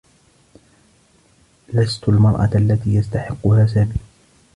لست المرأة التي يستحقّها سامي.